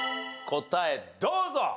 答えどうぞ！